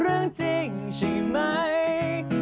เรื่องจริงใช่ไหม